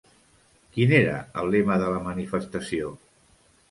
Quin era el lema de la manifestació?